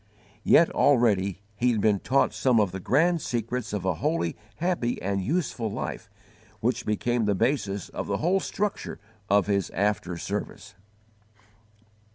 Yet already he had been taught some of the grand secrets of a holy, happy, and useful life, which became the basis of the whole structure of his after service.